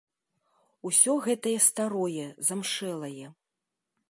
Усё гэтае старое, замшэлае.